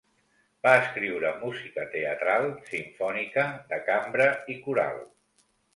Va escriure música teatral, simfònica, de cambra i coral.